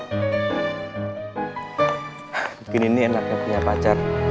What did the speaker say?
begini nih enaknya punya pacar